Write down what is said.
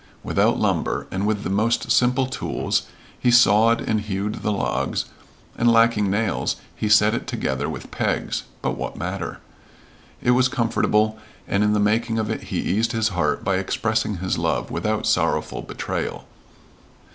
Without lumber, and with the most simple tools, he sawed and hewed the logs, and lacking nails he set it together with pegs, but what matter? It was comfortable, and in the making of it he eased his heart by expressing his love without sorrowful betrayal.